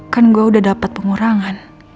kan gue udah dapat pengurangan